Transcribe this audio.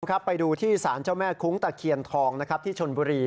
คุณผู้ชมไปดูที่ศาลเจ้าแม่คุ้งตะเขียนทองที่ชนบุรี